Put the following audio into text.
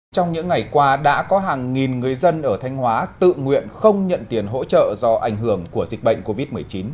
trong những ngày qua đã có hàng nghìn người dân ở thanh hóa tự nguyện không nhận tiền hỗ trợ do ảnh hưởng của dịch bệnh covid một mươi chín